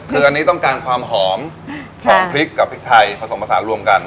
คืออันนี้ต้องการความหอมของพริกกับพริกไทยผสมผสานรวมกัน